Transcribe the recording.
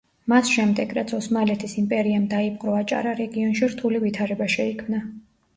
მას შემდეგ რაც ოსმალეთის იმპერიამ დაიპყრო აჭარა რეგიონში რთული ვითარება შეიქმნა.